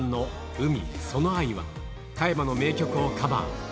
海その愛は、加山の名曲をカバー。